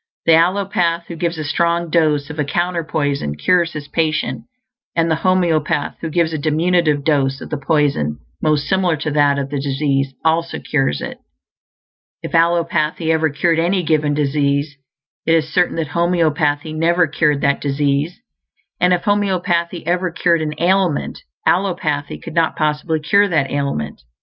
The allopath, who gives a strong dose of a counter poison, cures his patient; and the homeopath, who gives a diminutive dose of the poison most similar to that of the disease, also cures it. If allopathy ever cured any given disease, it is certain that homeopathy never cured that disease; and if homeopathy ever cured an ailment, allopathy could not possibly cure that ailment.